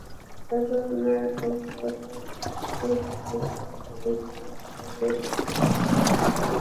তার ওপর বৃষ্টির পানি জমে থাকায় বেশ কিছু ধানগাছে পচন ধরেছে।